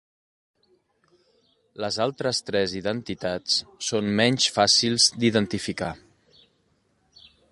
Les altres tres identitats són menys fàcils d'identificar.